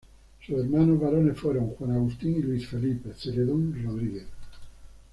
Sus hermanos varones fueron Juan Agustín y Luis Felipe Zeledón Rodríguez.